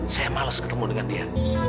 saya males ketemu dengan dia